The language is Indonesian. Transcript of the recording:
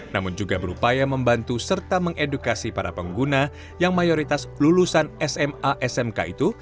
namun juga berupaya membantu serta mengedukasi para pengguna yang mayoritas lulusan sma smk itu